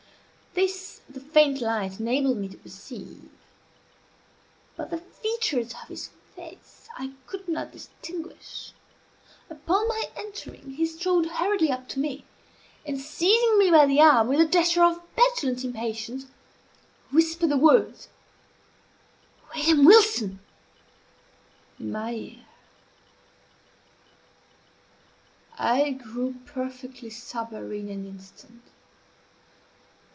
This the faint light enabled me to perceive; but the features of his face I could not distinguish. Upon my entering, he strode hurriedly up to me, and, seizing me by the arm with a gesture of petulant impatience, whispered the words "William Wilson!" in my ear. I grew perfectly sober in an instant.